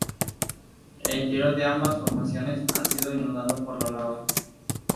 El interior de ambas formaciones ha sido inundado por la lava.